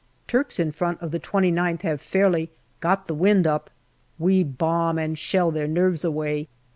Turks in front of the 2Qth have fairly " got the wind up." We bomb and shell their nerves away.